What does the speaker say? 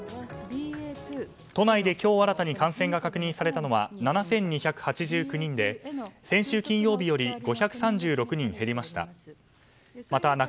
都内で今日新たに感染が確認されたのは７２８９人で先週金曜日より５３６人減りました。